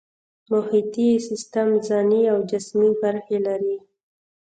محیطي سیستم ځانی او جسمي برخې لري